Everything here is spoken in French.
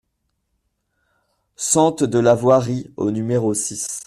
Sente de la Voirie au numéro six